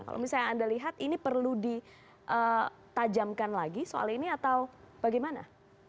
kalau misalnya anda lihat ini perlu ditajamkan lagi soal ini atau bagaimana